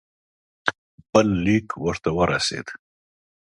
بل لیک ورته ورسېد.